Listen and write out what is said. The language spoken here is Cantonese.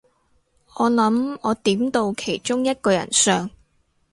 我諗我點到其中一個人相